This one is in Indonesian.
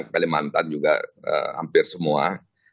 kalimantan juga hampir semua